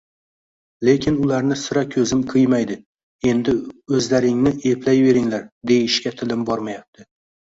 Lekin ularni sira ko‘zim qiymaydi, endi o‘zlaringni eplayveringlar, deyishga tilim bormayapti